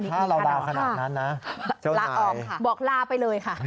ถ้าเราลาขนาดนั้นนะบอกลาไปเลยค่ะ